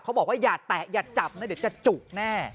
บอกว่าอย่าแตะอย่าจับนะเดี๋ยวจะจุกแน่